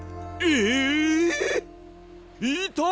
いた！